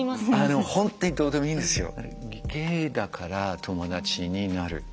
でも本当にどうでもいいんですよ。